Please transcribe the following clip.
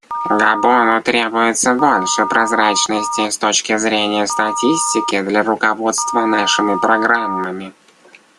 Габону требуется больше прозрачности с точки зрения статистики для руководства нашими программами.